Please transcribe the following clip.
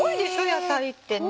野菜ってね。